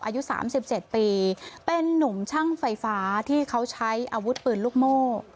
อายุ๓๗ปีเป็นนุ่มช่างไฟฟ้าที่เขาใช้อาวุธปืนลูกโม่